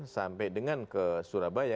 sampai dengan ke surabaya